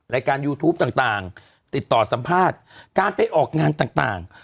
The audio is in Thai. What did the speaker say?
ยูทูปต่างติดต่อสัมภาษณ์การไปออกงานต่าง